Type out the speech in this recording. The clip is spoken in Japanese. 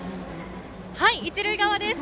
一塁側です。